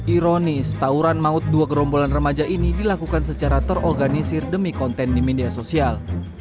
ironis tauran maut dua gerombolan remaja ini dilakukan secara terorganisir demi konten di media sosial